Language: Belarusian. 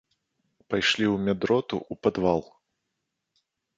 Пайшлі ў медроту ў падвал.